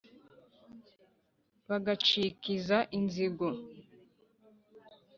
bagacikiza inzigo.